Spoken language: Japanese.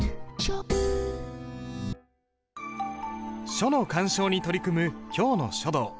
書の鑑賞に取り組む今日の書道。